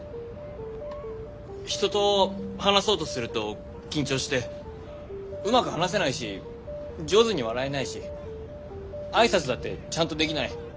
人と話そうとすると緊張してうまく話せないし上手に笑えないし挨拶だってちゃんとできない。